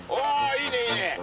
いいねいいね。